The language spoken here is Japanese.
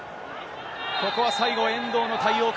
ここは最後、遠藤の対応か。